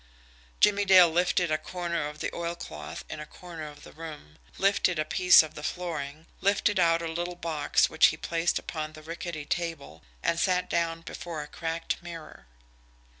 Jimmie Dale lifted a corner of the oilcloth in a corner of the room, lifted a piece of the flooring, lifted out a little box which he placed upon the rickety table, and sat down before a cracked mirror.